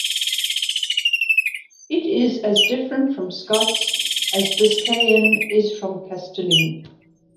It is as different from Scots as Biscayan is from Castilian.